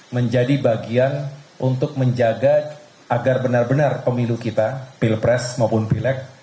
menjadi bagian untuk menjaga agar benar benar pemilu kita pilpres maupun pileg